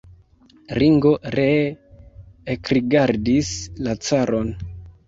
Ringo ree ekrigardis la caron.